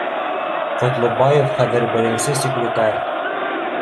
Ҡотлобаев хәҙер беренсе секретарь